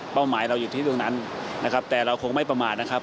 หมายเราอยู่ที่ตรงนั้นนะครับแต่เราคงไม่ประมาทนะครับ